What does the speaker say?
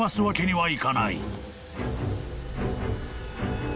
はい。